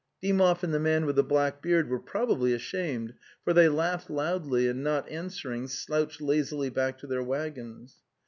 Dymov and the man with the black beard were probably ashamed, for they laughed loudly, and not answering, slouched lazily back to their waggons.